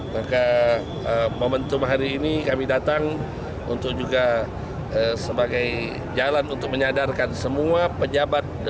maka momentum hari ini kami datang untuk juga sebagai jalan untuk menyadarkan semua pejabat